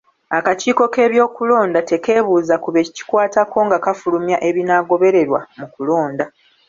Akakiiko k'ebyokulonda tekeebuuza ku be kikwatako nga kafulumya ebinaagobereerwa mu kulonda.